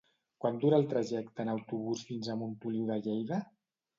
Quant dura el trajecte en autobús fins a Montoliu de Lleida?